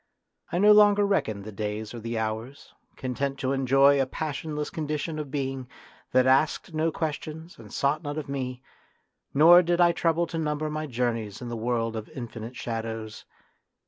I no longer reckoned the days or the hours, content to enjoy a passionless condition of being that asked no questions and sought none of me, nor did I trouble to number my journeys in the world of infinite shadows.